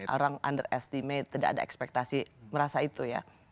orang under estimate tidak ada ekspektasi merasa itu ya